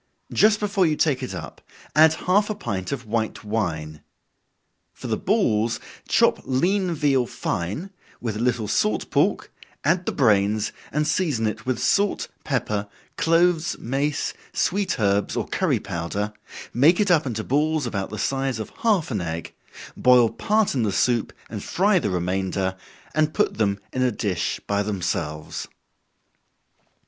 Just before you take it up, add half a pint of white wine. For the balls, chop lean veal fine, with a little salt pork, add the brains, and season it with salt, pepper, cloves, mace, sweet herbs or curry powder, make it up into balls about the size of half an egg, boil part in the soup, and fry the remainder, and put them in a dish by themselves.